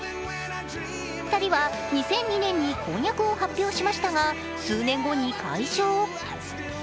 ２人は２００２年に婚約を発表しましたが、数年後に解消。